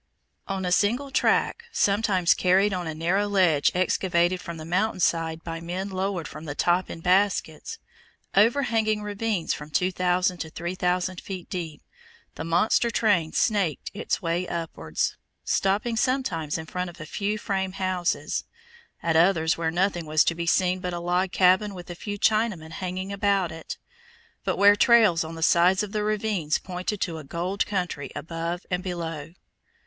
On a single track, sometimes carried on a narrow ledge excavated from the mountain side by men lowered from the top in baskets, overhanging ravines from 2,000 to 3,000 feet deep, the monster train SNAKED its way upwards, stopping sometimes in front of a few frame houses, at others where nothing was to be seen but a log cabin with a few Chinamen hanging about it, but where trails on the sides of the ravines pointed to a gold country above and below.